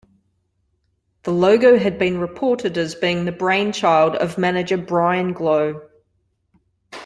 The logo has been reported as being the brainchild of manager Brian Clough.